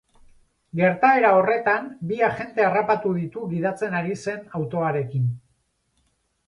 Gertaera horretan bi agente harrapatu ditu gidatzen ari zen autoarekin.